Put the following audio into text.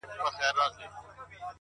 • هغه ورځ چي نه لېوه نه قصابان وي,